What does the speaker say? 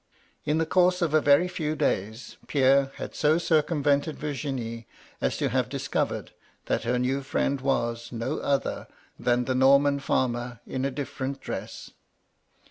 " In the course of a very few days, Pierre had so circumvented Virginie as to have discovered that her new friend was no other than the Norman farmw in a diflFerent dress.